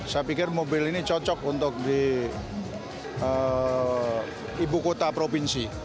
saya pikir mobil ini cocok untuk di ibu kota provinsi